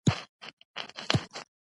د اصلي کرکترونو شاخواته راڅرخي .